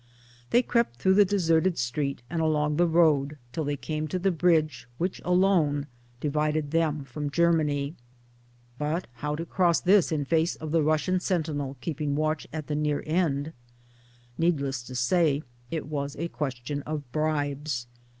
They crept through the deserted street and along the road till they came to the bridge which 1 alone divided them from Germany. But how to cross this in face of the Russian sentinel keeping watch at the near, end? Needless to say it was a question of bribes.